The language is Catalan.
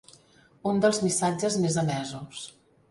Un dels missatges més emesos.